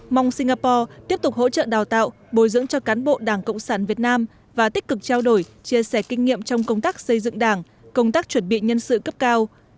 mong singapore tiếp tục hỗ trợ đào tạo bồi dưỡng cho cán bộ đảng cộng sản việt nam và tích cực trao đổi chia sẻ kinh nghiệm trong công tác xây dựng đảng công tác chuẩn bị nhân sự cấp cao